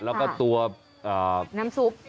แล้วก็ตัวน้ำซุป